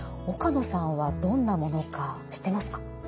岡野さんはどんなものか知ってますか？